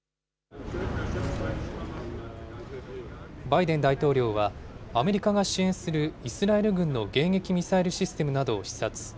バイデン大統領はアメリカが支援するイスラエル軍の迎撃ミサイルシステムなどを視察。